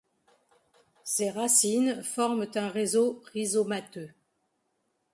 Ses racines forment un réseau rhizomateux.